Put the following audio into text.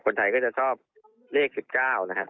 คนไทยก็จะชอบเลข๑๙นะครับ